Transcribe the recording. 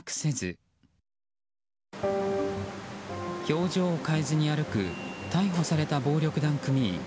表情を変えずに歩く逮捕された暴力団組員